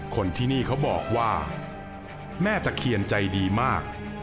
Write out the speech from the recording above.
คนที่นี่เขาบอกว่าแม่ตะเคียนใจดีมาก